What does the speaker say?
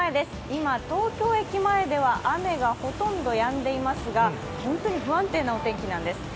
今、東京駅前では雨がほとんどやんでいますが、本当に不安定なお天気なんです。